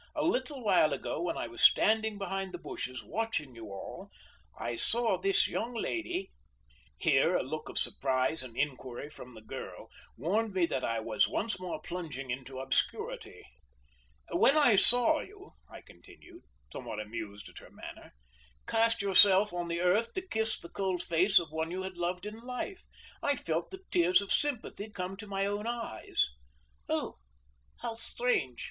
A little while ago when I was standing behind the bushes watching you all, I saw this young lady " Here a look of surprise and inquiry from the girl warned me that I was once more plunging into obscurity. "When I saw you," I continued, somewhat amused at her manner, "cast yourself on the earth to kiss the cold face of one you had loved in life, I felt the tears of sympathy come to my own eyes." "Oh, how strange!"